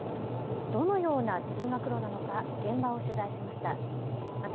どのような通学路なのか現場を取材しました。